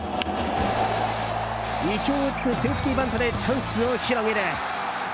意表を突くセーフティーバントでチャンスを広げる。